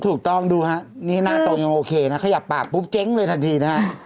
ถูกต้องดูฮะนี่หน้าตนยังโอเคนะขยับปากปุ๊บเจ๊งเลยทันทีนะฮะ